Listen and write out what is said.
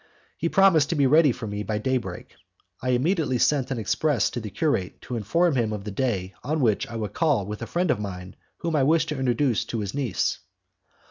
He promised to be ready for me by day break. I immediately sent an express to the curate to inform him of the day on which I would call with a friend of mine whom I wished to introduce to his niece.